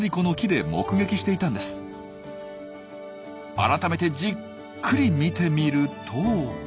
改めてじっくり見てみると。